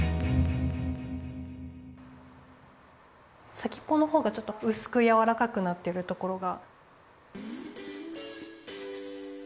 先っぽのほうがちょっとうすくやわらかくなってるところが。